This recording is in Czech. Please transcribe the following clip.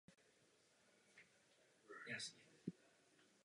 Naštěstí jsou tyto předpoklady v elektrotechnické praxi většinou splněny.